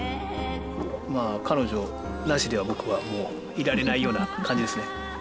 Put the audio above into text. まあ彼女なしでは僕はもういられないような感じですね。